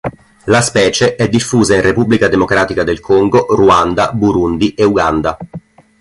La specie è diffusa in Repubblica Democratica del Congo, Ruanda, Burundi e Uganda.